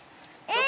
え！